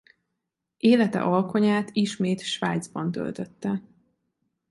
Élete alkonyát ismét Svájcban töltötte.